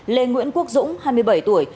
lê nguyễn quốc dũng hai mươi bảy tuổi